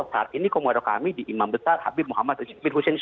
saat ini komando kami di imam besar habib muhammad fir hussein